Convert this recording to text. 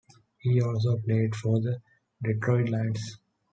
He also played for the Detroit Lions.